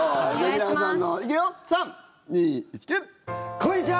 こんにちは！